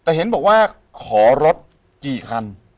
แต่เห็นบอกว่าขอรถกี่คัน